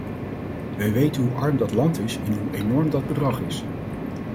Wij weten hoe arm dat land is en hoe enorm dat bedrag is.